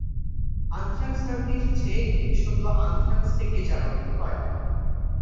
Anthrax নামটি এসেছে Greek শব্দ অ্যানথ্রাক্স থেকে যার অর্থ কয়লা।